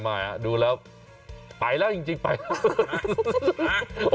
มาดูแล้วไปแล้วจริงไปแล้ว